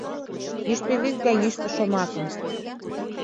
Йӱштӧ вӱд гай йӱштӧ шомакым